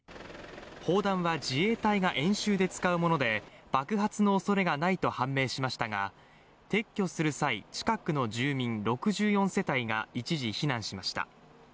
砲弾は自衛隊が演習で使うもので爆発のおそれがないと判明しましたが、撤去する際近くの住民６４世帯が一時、避難しました。